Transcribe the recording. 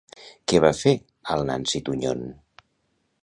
Què va fer al Nancy Tuñón?